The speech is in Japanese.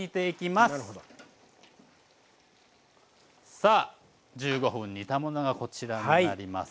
さあ１５分煮たものがこちらになります。